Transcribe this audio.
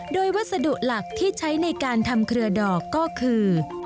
โดยวัสดุหลักที่ใช้ในการทำเครือดอกก็คือ